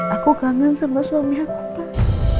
aku kangen sama suami aku pak